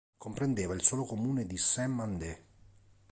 Comprendeva il solo comune di Saint-Mandé.